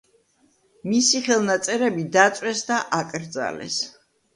მისი ხელნაწერები დაწვეს და აკრძალეს.